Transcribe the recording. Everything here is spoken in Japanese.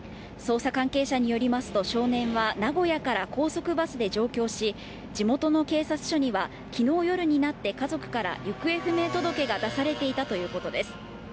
捜査関係者によりますと、少年は、名古屋から高速バスで上京し、地元の警察署には、きのう夜になって、家族から行方不明届が出されていたということです。